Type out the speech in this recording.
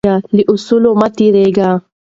له اصولو تیر مه کیږئ.